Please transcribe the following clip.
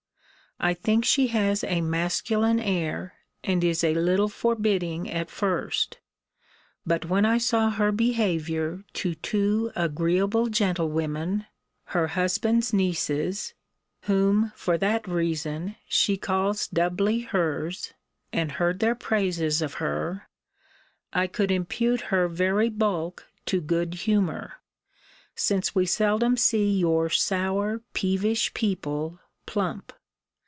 I think she has a masculine air, and is a little forbidding at first: but when I saw her behaviour to two agreeable gentlewomen, her husband's nieces, whom, for that reason, she calls doubly hers, and heard their praises of her, I could impute her very bulk to good humour; since we seldom see your sour peevish people plump.